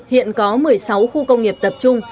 hiện có một mươi sáu khu công nghiệp tập trung